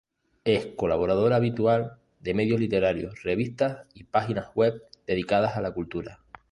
Es colaboradora habitual de medios literarios, revistas y páginas web dedicadas a la cultura.